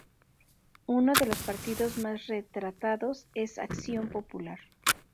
Uno de los partidos más retratados es Acción Popular.